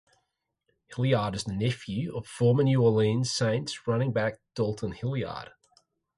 Hilliard is the nephew of former New Orleans Saints running back Dalton Hilliard.